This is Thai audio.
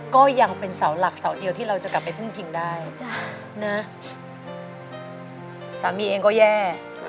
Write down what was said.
ก็ยังเป็นเสาหลักเสาเดียวที่เราจะกลับไปพึ่งพิงได้นะสามีเองก็แย่